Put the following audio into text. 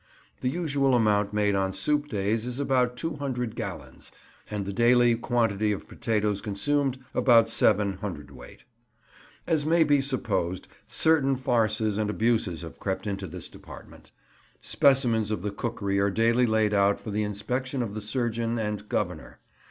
The usual amount made on soup days is about 200 gallons, and the daily quantity of potatoes consumed about 7 cwt. As may be supposed, certain farces and abuses have crept into this department. Specimens of the cookery are daily laid out for the inspection of the surgeon and Governor.